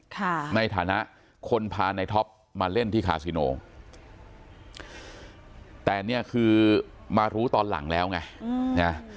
ค่าในฐานะคนพานายท็อปมาเล่นที่คาซิโนน์แต่นี่คือมารู้ตอนหลังแล้วไง